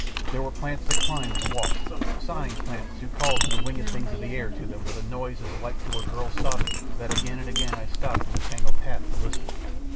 There were plants that climbed and walked; sighing plants who called the winged things of the air to them with a noise so like to a girl sobbing that again and again I stopped in the tangled path to listen.